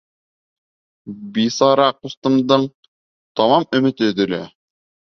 Бисара ҡустымдың тамам өмөтө өҙөлә: